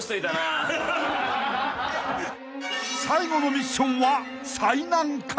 ［最後のミッションは最難関］